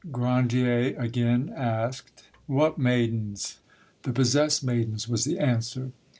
"Grandier again asked— "'What maidens?' "'The possessed maidens,' was the answer.